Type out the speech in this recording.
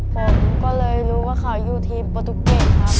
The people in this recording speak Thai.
ก็เลยรู้ว่าเขาอยู่ทีมโปรตุเกตครับ